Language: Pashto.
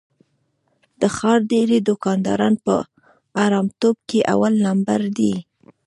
د ښار ډېری دوکانداران په حرامتوب کې اول لمبر دي.